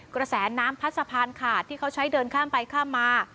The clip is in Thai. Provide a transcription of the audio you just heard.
กระแสน้ำพัดสะพานขาดที่เขาใช้เดินข้ามไปข้ามมา